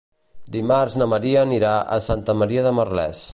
Dimarts na Maria anirà a Santa Maria de Merlès.